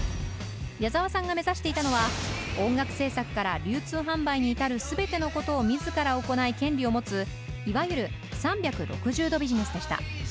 矢沢さんが目指していたのは音楽制作から流通販売に至る全てのことを自ら行い権利を持ついわゆる３６０度ビジネスでした。